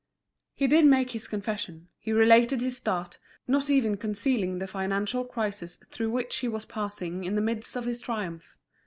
He did make his confession, he related his start, not even concealing the financial crisis through which he was passing in the midst of his triumph.